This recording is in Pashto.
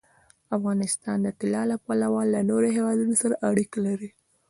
افغانستان د طلا له پلوه له نورو هېوادونو سره اړیکې لري.